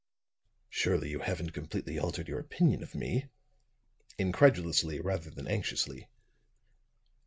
"Surely you haven't completely altered your opinion of me?" incredulously, rather than anxiously.